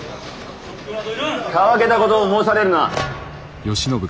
たわけたことを申されるな！